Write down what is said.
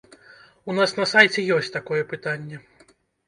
У нас на сайце ёсць такое пытанне.